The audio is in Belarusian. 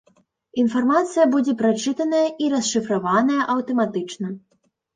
Інфармацыя будзе прачытаная і расшыфраваная аўтаматычна.